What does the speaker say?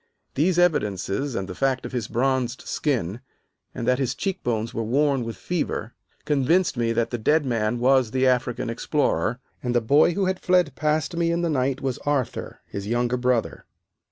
These evidences, and the fact of his bronzed skin, and that his cheekbones were worn with fever, convinced me that the dead man was the African explorer, and the boy who had fled past me in the night was Arthur, his younger brother.